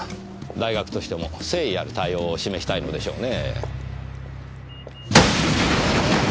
大学としても誠意ある対応を示したいのでしょうねぇ。